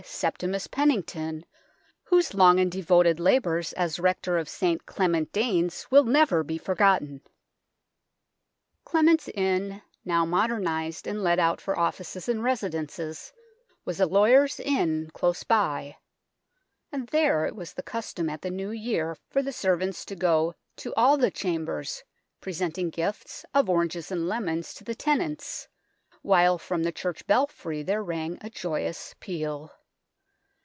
Septimus Pennington, whose long and devoted labours as Rector of St Clement Danes will never be forgotten. 235 Clement's Inn, now modernized and let out for offices and residences, was a lawyers' inn close by, and there it was the custom at the New Year for the servants to go to all the chambers, pre senting gifts of oranges and lemons to the tenants, while from the church belfry there rang a joyous peal.